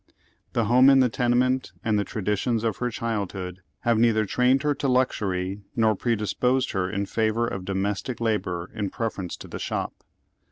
The home in the tene ment and the traditions of her childhood have neither trained her to luxury nor predisposed her in favor of do mestic labor in preference to the shop.